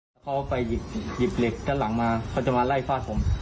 แล้วเขาไปหยิบเหล็กด้านหลังมาเขาจะมาไล่ฟาดผม